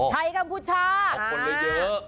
ไทยกัมพูชาขอบคุณเลยเยอะ